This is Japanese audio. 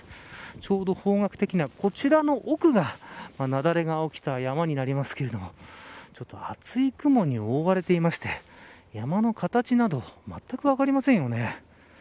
ちょうど方角的にはこちらの奥が雪崩が起きた山になりますけれどもちょっと厚い雲に覆われていまして山の形などまったく分かりませんよね。